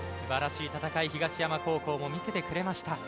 素晴らしい戦い東山高校も見せてくれました。